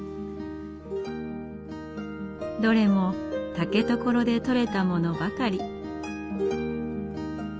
どれも竹所で取れたものばかり。